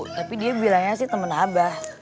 tapi dia bilangnya sih teman abah